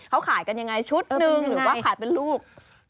เขาขายกันยังไงชุดหนึ่งหรือว่าขายเป็นลูก